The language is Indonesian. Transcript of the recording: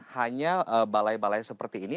hanya balai balai seperti ini